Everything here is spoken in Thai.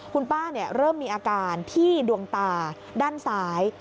คุณป้าเริ่มมีอาการที่ดวงตาด้านซ้าย